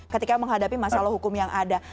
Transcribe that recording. ketika menghadapi masalah hukum yang ada